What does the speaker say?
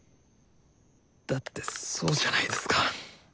だってそうじゃないですか。